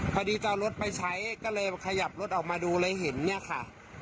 พอดีจะเอารถไปใช้ก็เลยขยับรถออกมาดูเลยเห็นเนี่ยค่ะ